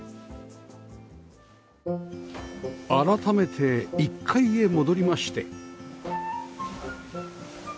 改めて１階へ戻りまして